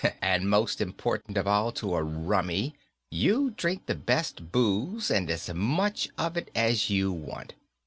And, most important of all to a rummy, you drink the best booze and as much of it as you want.